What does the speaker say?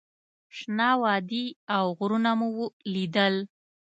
شنه وادي او غرونه مو لیدل.